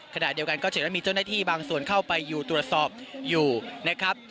ขณะเดียวกันก็จะเห็นว่ามีเจ้าหน้าที่บางส่วนเข้าไปอยู่ตรวจสอบอยู่นะครับ